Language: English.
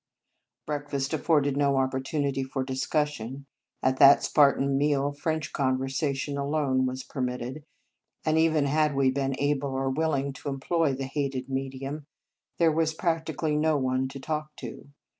Breakfast afforded no opportunity for discussion. At that Spartan meal, French conversation alone was per mitted; and even had we been able or willing to employ the hated me dium, there was practically no one to talk to.